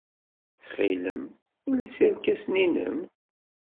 Ttxil-m, els irkasen-nnem.